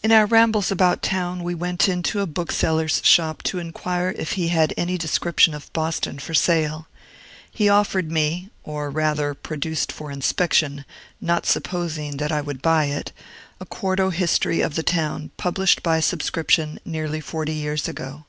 In our rambles about town, we went into a bookseller's shop to inquire if he had any description of Boston for sale. He offered me (or, rather, produced for inspection, not supposing that I would buy it) a quarto history of the town, published by subscription, nearly forty years ago.